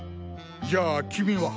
じゃあ君は？